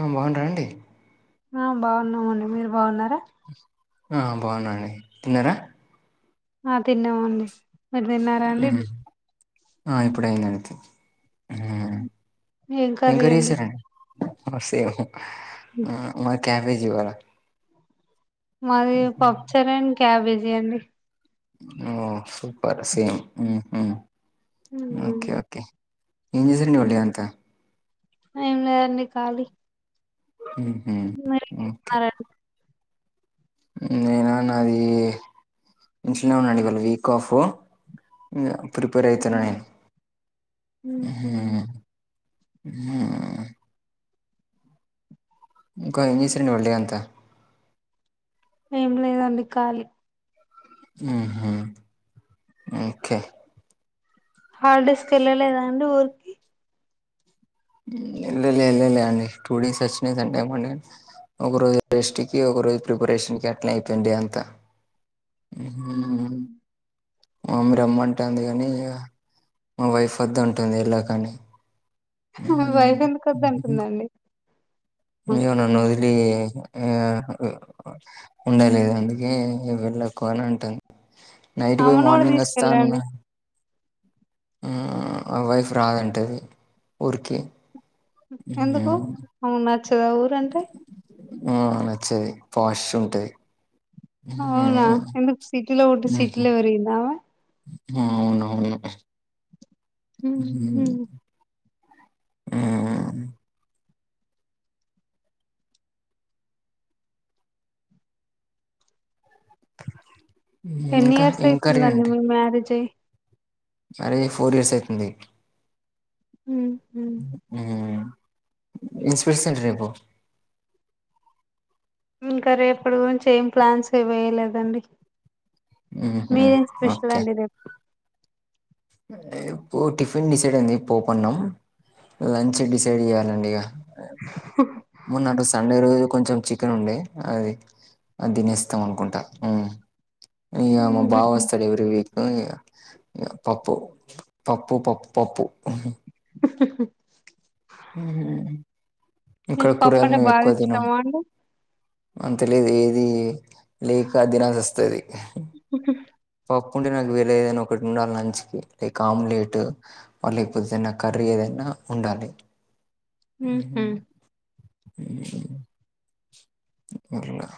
ఆ బాగున్నారండి ఆ బాగున్నామండి మీరు బాగున్నారా ఆ బాగున్నానండి తిన్నారా ఆ తిన్నామండి మీరు తిన్నారా అండి హ్మ్. ఆ ఇప్పుడయిందండి ఏం కర్రీ ఎంకర్రి అండి చేసారండి సేమ్ మ క్యాబేజి ఇవాళ మాది పప్పుచర్ అండ్ క్యాబేజీ అండి ఓ సూపర్ సేమ్ మ్ మ్ ఓకే హ్మ్ ఓకే ఏం చేశారండి ఇవాళ డే అంత ఏం లేదండి ఖాళీ మ్ మరి మరా నేన నాది ఇంట్లోనే ఉన్నానండి ఇవాళ వీక్ కాఫో ప్రిపేర్ అయితున్నా నేను హ్మ్ ఉమ్ ఉమ్ ఇంకా ఏంచేసిళ్ ఇవాళ్ డే అంతా ఏం లేదండి ఖాళీ ఉమ్ హు ఉకే హాల్ డేస్ కి ఎళ్లలేదా అండి ఊరికి వెల్లలే వెల్లలే అండి టూ డేస్ వచ్చినాయి సన్ డే మండే ఒక రోజు రెస్ట్ కి ఒక రోజు ప్రిపరేషన్ కి అట్లా అయిపోయింది డే అంతా ఉహ్మ్ మా మామ్మీ రమ్మంటంది గాని ఇగ మా వైఫ్ వద్దటుంది ఎల్లకాని మీ వైఫ్ ఎందుకు ఉమ్ హ్ వద్దంటుందండి ఇగ నన్ను వదిలీ ఆ ఉండలేదు అందుకే వెళ్ళకు అని అంటుంది ఇగో పోయి ఆమెను కూడా మార్నింగ్ వస్తా అన్నా తీసుకెళ్ళండి ఆ వైఫ్ రాదంటది ఊరికి ఎందుకు మ్మ్. ఆమెకు నచ్చదా ఊరంటే ఆ నచ్చది పాష్ష్ ఉంటది అవునా ఎందుకు సిటీలో పుట్టి సిటీలో పెరిగిందా ఆమె అవును అవును హ్ హ్మ్ మ్ హ్ ఎన్ని ఇంకా ఇయర్స్ ఏం కర్రీ అయితుందండి మీ మ్యారేజై మ్యారేజ్ అయి ఫోర్ ఇయర్స్ అయితుంది హ్మ్ హ్మ్ హ్మ్ ఏం స్పెషల్ రేపు ఇంకా రేపటి గురించి ఏం ప్లాన్స్ ఎ వేయలేదండి ఉహుం, మీదేం స్పెషలండి రేపు రేపు టిఫిన్ డిసైడ్ అయింది పోపన్నం లంచ్ డిసైడ్ చేయ్యాలండి ఇగ మొన్న అటు సండే రోజు కొంచెం చికెన్ ఉండే అది అది తినేస్తాం అనుకుంటా హ్మ్ ఇగ మా హుహు. బావస్తడు ఎవ్రీ వీక్ హ్ ఇగ పప్పు పప్పు పప్పు పప్పు హు హుహ్ ఇక్కడ మీకు కూరగాయలు పప్పంటే మేము బాగ ఎక్కువ తినం ఇష్టమా అండి అంత లేదు ఏది లేక దినాల్సివస్తది పప్పు ఉంటే నాకు వేళేదైనా ఒకటి ఉండాలి నంచ్కి లైక్ ఆమ్లెట్ వాళ్ళేకపొతేన్న కర్రీ ఏదైనా ఉండాలి ఉహ్ ఆహ్ అట్లనా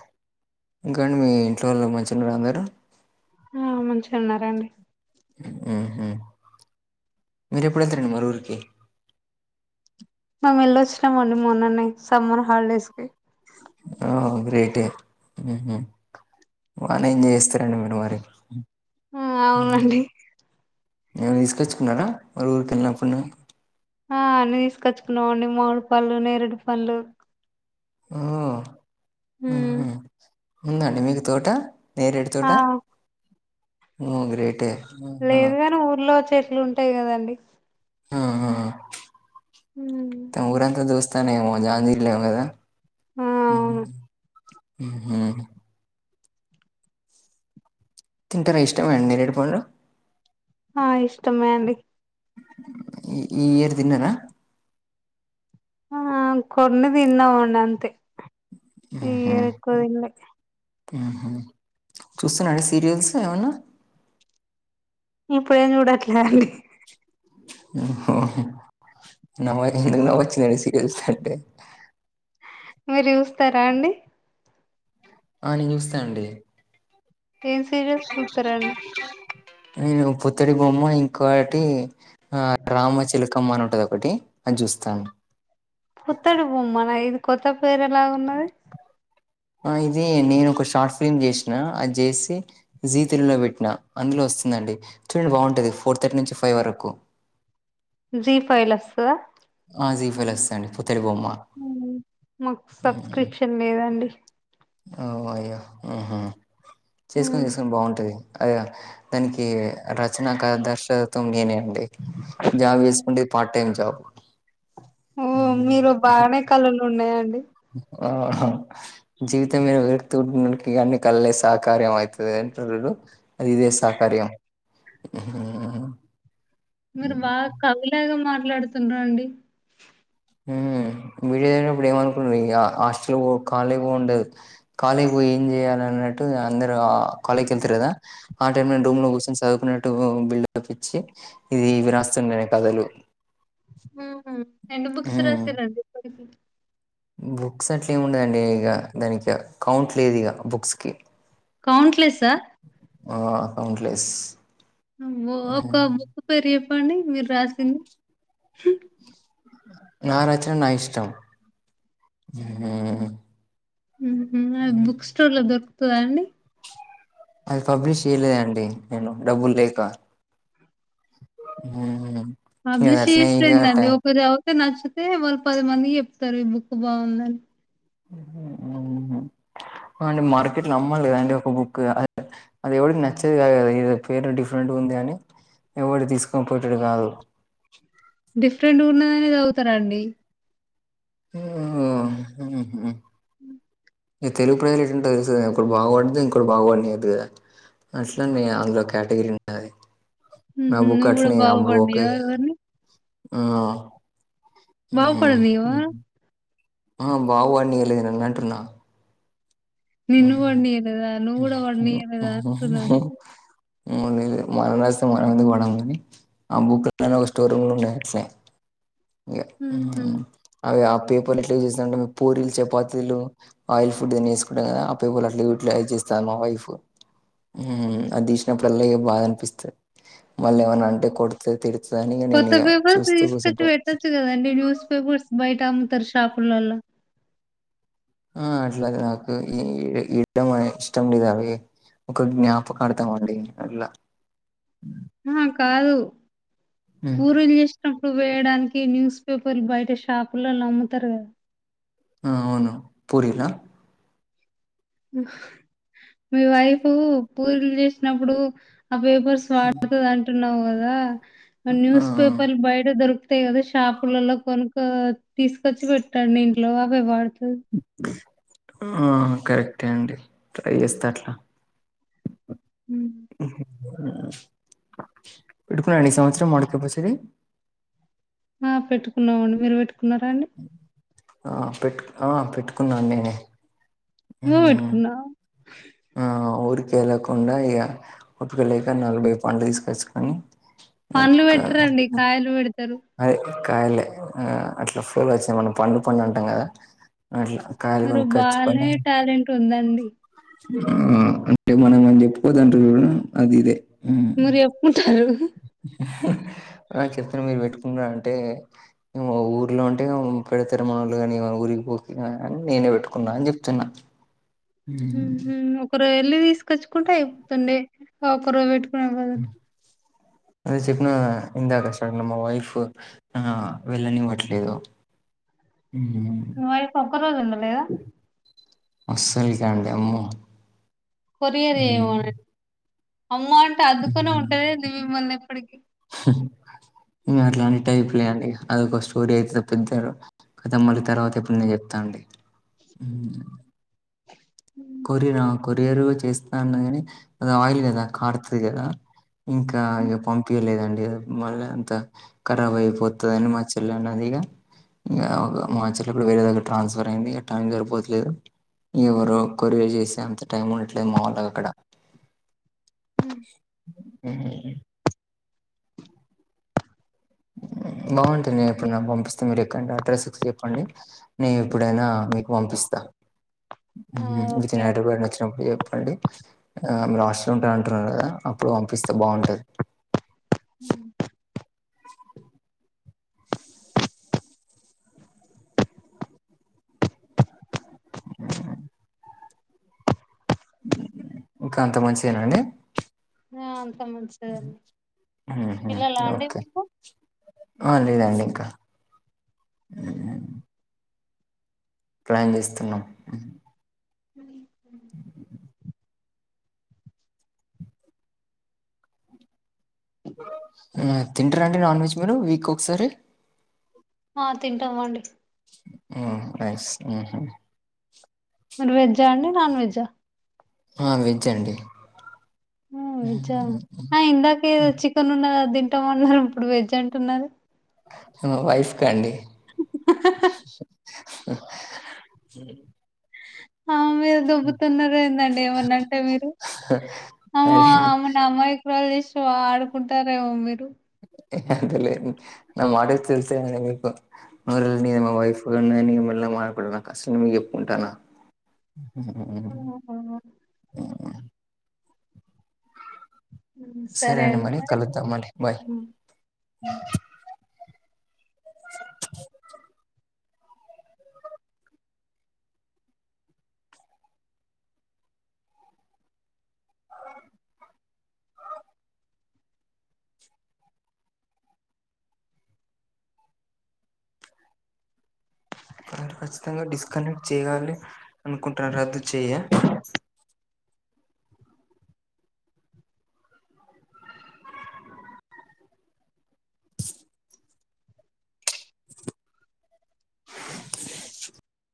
ఇంకాండి మీ ఇంట్లో వాళ్ళు మంచిగున్నరా అందరు ఆ మంచిగున్నారండి మ్మ్ హ్మ్ మీరె ఎప్పుడేళ్తారండి మరీ ఊరికి మేము వెల్ళొచ్చినా మండి మొన్ననే సమ్మర్ హాలిడేస్ కి ఓహో గ్రేటే మ్మ్ హ్ బాగానే ఎంజాయ్ చేస్తారండి మీరు మరి ఆ హ్ అవునండి ఎమన్నా తీస్కొచ్చుకున్నారా మరి ఊరికేళ్ళినప్పుడు ఆ అన్ని తీస్కొచ్చుకున్నామండి మామిడిపళ్ళూ నేరేడు పళ్ళూ ఓ హ్మ్. ఉహు ఉందండి మీకు తోట నేరేడు ఆ తోటా ఉమ్ గ్రేటే ఓహో లేదుగని ఊర్లో చెట్లుంటయి కదండి ఉహు ఉమ్ తే ఊరంతదుస్తారేమో జాంజిలే కద ఆ అవును ఉమ్ తింటరా ఇష్టమనేరెడుపండ్లు ఆ ఇష్టమే అండి ఈ ఇయర్ తిన్నరా ఆ కొన్ని తిన్నమండి అంతే ఈ ఉహు ఇయరేక్కువ తింలే ఉహు చూస్తున్నాండి సీరియల్స్ ఏమన్న ఇప్పుడేంజూట్లే అండి ఉహా నా వాయ్స్ హ్మ్. ఎందవచేదండి సీరియల్స్ అంటే మీరు చుస్తరా అండి ఆ నేను చూస్తుండి ఏం సీరియల్స్ చూస్తారండి నేను పుత్తడి బొమ్మ ఇంకోటి ఆ రామచిలకమ్మ అనుంటదొకటి అజుస్థఅండి పుత్తడి బొమ్మనా ఇది కొబీత్త పేరేలాగున్నది ఆ ఇది నేను ఒక షార్ట్ ఫిలిమ్ జేసినా అది చేసి జీ తెలుగులో పెట్టిన అందులో వస్తుందండి చూడండి బాగుంటంది ఫోర్ థర్టీ నుంచి ఫైవ్ వరకు జీ ఫైల్ అస్తద ఆ జీఫలు వస్తాండి పుత్తడి బొమ్మ ఉమ్ మాకు సబ్స్క్రిప్షన్ లేదండి ఓ అయ్యో ఉహు చేసుకొని చేసుకొని బాగుంటది అద్యా దానికి రచనా క దర్శత్వం నేనే అండి జాబ్ చేసుకుంటే పా టైమ్ జ మీరు బాగనే కళలు ఉన్నాయండి ఆహ జీవితం మీద విరక్తి అన్ని కళ్లే సహకార్య అవుతుంది అంటు అది ఇదే సాకర్యం మీరు బాగా కవిలాగా మాట్లాడుతున్నరు అండి ఉమ్ వీడియో తీయకముందు ఏం అనకుండే హాస్టల్ పో కాలీ గా ఉండే కాలేజ్పోయి ఏం చేయాలన్నట్టు టె అందరు ఆ కాలేజీ కి వెళ్తారు కాద ఆ టైం లో రూమ్ లో కుసోనీ బిల్డప్ చపించి ఇది ఇవి రాస్తుండేనే కథలు ఆహ ఎన్ని బుక్స్ ఉమ్ రాసారండి ఇప్పటికి బుక్స్ అట్లే ఏముడదండి ఇక దానికి కౌంట్ లేదు ఇక బుక్స్ కి కౌంట్లెస్సా ఆ కౌంట్లెస్ ఒక బుక్ పేరు చెప్పండి మీరు రాసింది నా రచ్చన నా ఇష్టం ఉమ్ ఉమ్ అ బుక్ స్టోర్లో దొరుకుతుందా అండి అది పబ్లిష్ చేయలేదండి నేను డబ్బులేక ఉహు పబ్లిష్ చేస్తందండి ఒకరు చదివి నచ్చితే వాళ్ళు పది మందికి చెప్తారు ఈ బుక్ బాగుందని అ అండి మార్కెట్ లో అమ్మాలి కదా అండి ఒక బుక్ అది ఎవరికి నచ్చేది కాదు కదా ఇ పేరు డిఫరెంట్ ఉంది అని ఎవడు తీసుకొని పోయేటొడు కాదు డిఫరెంట్ ఉన్నదనే చదువుతారు అండి ఆ ఉహు దఈ తెలుగు ప్రజలు ఏట్టుంటారో తెలుసు కదా ఒకడు బాగపడదు ఇంకోడు బాగుపడనివ్వొద్దు కదా అస్లామియా అందులో కేటగిరీ ఉంటద ఉహు నువ్వు కూడా బాగుపడనియ్యవ ఎవరిని ఆ బాగుపడనియ్యవ ఆ బాగు పడనియలేదు అని అంటున్నా నిన్ను పడనీయలేదా? నువ్వు గూడా పడనీయలేదా అంటున్నాడు. ఆ లేదు మనం రాస్తే మన మీందు పడ కాని ఆ బుక్ ఒక స్టోర్ రూమ్ లో ఉండే అట్లే ఇగ హుహు. ఉహు ఆ పేపర్ ఎట్లా చేస్తమంటే పూరీలు చపాతీలు ఆయిల్ ఫుడ్ అ వేసుకుంటాం కదా అ పే అట్లా యూటిలైజ్ చేస్తా మా వైఫ్ ఊ అది తీసినప్పుడులా ఇగ బాధ అనిపిస్తాది మళ్ళీ ఏమన్నా అంటే కొడ్తూ తిడు తీడదని నేను ఇగ చూస్తూ కూర్చుంటా చెప్పొచ్చు కదండి న్యూస్ పేపర్స్ బయట అమ్ముతారు షాపులలో ఆ అట్లాది నాకు ఈ ఇ ఇష్టమండదావే ఒక జ్ఞాపకార్థం అండి అట్లా ఆ కాదు ఉమ్, పూరీలు చేస్ నప్పుడు వేయడానికి న్యూస్ పేపర్లు బయట షాపులలో అమ్ముతారు కదా ఆ అవును పూరిలా మీ వైఫ్ పూరీలు చేసినప్పుడు ఆ పేపర్స్ వార్తది అంటున్నావు గాదా మరి ఆ న్యూస్ పేపర్లు బయట దొరుకు తాయ్ కదా షాపులలో కొనుక తీసుకొచ్చి పెట్టండి ఇంట్లో అవి వాడుతది. ఆహా కరెక్టే అండి ట్రై చేస్తా అట్లా ఉమ్ పెడ్తున్నారండి ఈ సంవత్సరం మామిడికాయ పచ్చడి ఆ పెట్టుకున్నామండి మీరు పెట్టుకున్నారా అండి ఆ పెట్టు ఆ పెట్టుకున్నాను నేనే నువ్వు హ్మ్. పెట్టుకున్నావ ఆ ఊరిక వెళ్ళకుండా ఇగా ఉప్పుడులేక నలభై పండ్లు తీసుకొచ్చుకొని పండ్లు ఇంకా పెట్టరండి కాయలు పెడతారు. అదే కాయలే ఆ అట్లా ఫ్లో లో వచ్చింది మనం పండు పండు అంటాం గాదా అట్లా కాయలు మీరు కొనుక్కొచ్చుకొని బానే టాలెంట్ ఉందండి ఉమ్ అంటే మనం ఏం చెప్పుకోదంటారు జూడు అది ఇదే హ్మ్. మరి చేప్పుంటారు ఆ చెప్తున్న మీరు పెట్టుకున్నర అంటే ఊర్లో ఉంటే పెడతరూ మామూల్ గాని ఊరికి పో నేనే పెట్టుకున్నా అని జేప్తున్నా ఉహు ఒకరోజు వెళ్ళి తీసుకొచ్చుకుంటే అయిపోతుండే ఆ ఒకరోజు పెట్టుకునే బదలు అదే చెప్పిన ఇందాక వచ్చిన మా వైఫ్ ఆ వెళ్ళనివ్వట్లేదు ఉ మీ వైఫ్ ఒక్కరోజు ఉండలేేదా అస్సలికే అండి అమ్మో కొరియర్ చేయమనండి అమ్మో అంటే అద్దుకునే ఉంటదాండి మిమ్మల్ని ఎప్పటికిీ ఇంకా అట్లాంటి టైపులే అండి అదొక స్టోరీ అయితే పెద్దాగా కథ మళ్ళీ తర్వాత ఎప్పుడు నేను చెప్తానండి ఉమ్ ఉ కొరియర్ ఆ కొరియరు చేస్తా అన్నది కానీ అది ఆయిల్ గదా కారుతది గదా ఇంకా ఇగ పంపియలేదండి మళ్ళీ అంత కారాబ్ అయిపోతుందని మంచి ఇలా ఏనోదిగా ఇంక మా చెలప్పుడు వేరే దగ్గర ట్రాన్స్ఫర్ అయింది ఇక టైం సరిపోట్లేదు ఇగ ఎవరో కొరియర్ చేసే అంత టైం ఉండట్లేదు మావొళ్ళకు అక్కడ ఉమ్ బాగుంటుంది నేను ఎప్పుడన్నా పంపిస్తే మీరు ఎక్కడండి అడ్రస్ చెప్పండి నేను ఏప్పుడైనా మీకు పంపిస్తా ఆ ఓకే మీతోని అండి హైదరాబాద్ వచ్చినప్పుడు చెప్పండి ఆ మీరు హాస్టల్లో ఉంటా అంటున్నారు గదా అప్పుడు పంపిస్తే బాగుంటది ఉమ్ ఇంకా అంత మంచిదేనాండి ఆ అంత మంచిదండి ఉహు పిల్లలా అండి ఓకే మీకు ఆ లేదండి ఇంకా హ్మ్. [unintelligible] ప్లాన్ జేస్తున్నాం ఉమ్ తింటారండి నాన్ వెజ్ మీరు వీక్ ఒకసారి ఆ తింటామండి ఆ నైస్ ఉహు మీరు వెజ్జా అండి నాన్ వెజ్జా ఆ వేజ్జండి వెజ్జా ఆ ఇందాక ఏదో చికెన్ ఉన్నది అది తింటామన్నారు ఇప్పుడు వెజ్ అంటున్నరు మా వైఫ్ కండి ఉహ్ హా హా హా ఆ మీరు దొబ్బుతున్నరేందండి ఏమన్నంటే మీరు అరే కురాలు జేశే ఆడుకుంటార్రేమో మీరు అంత లేదండి నా మాటలు తెలిస్తే మీకు ఓ రోజు నేను మా వైఫ్ మెల్లగా మాట్లాడుకుంటున్నా కష్టం మీకు జేప్పుకుంటాన్న ఆహా సరే అండి మరి కలుదాం మళ్ళీ బాయ్ హ్మ్. హ్మ్. ఖచ్చితంగా డిస్కనెక్ట్ చేయాలి అనుకుంటున్నారు రద్దు చేయే